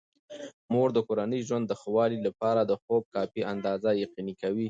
مور د کورني ژوند د ښه والي لپاره د خوب کافي اندازه یقیني کوي.